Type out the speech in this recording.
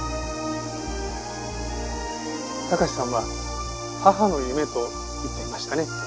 貴史さんは「母の夢」と言っていましたね。